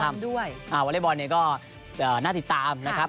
น่าติดตามนะครับเพราะว่านักกีฬาของเรา